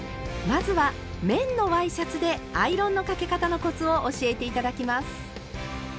まずは綿のワイシャツで「アイロンのかけ方のコツ」を教えて頂きます。